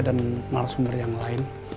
dan narsumber yang lain